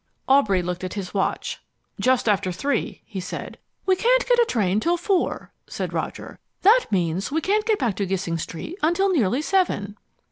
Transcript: Aubrey looked at his watch. "Just after three," he said. "We can't get a train till four," said Roger. "That means we can't get back to Gissing Street until nearly seven."